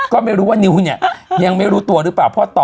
ก็ไม่รู้ว่านิ้วเนี่ยยังไม่รู้ตัวหรือเปล่า